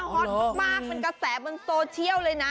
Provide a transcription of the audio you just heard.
ฮอตมากเป็นกระแสบนโซเชียลเลยนะ